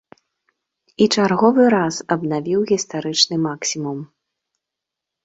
І чарговы раз абнавіў гістарычны максімум.